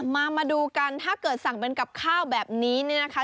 มาดูกันถ้าเกิดสั่งเป็นกับข้าวแบบนี้เนี่ยนะคะ